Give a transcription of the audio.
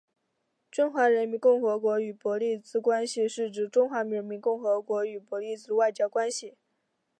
中华人民共和国与伯利兹关系是指中华人民共和国与伯利兹的外交关系。